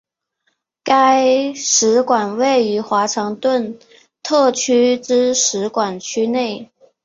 该使馆位于华盛顿特区之使馆区内。